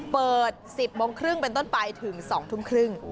เปิด๑๐โมงครึ่งเป็นต้นไปถึง๒ทุ่มครึ่ง